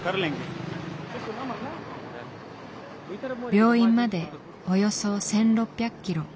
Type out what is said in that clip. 病院までおよそ１，６００ｋｍ。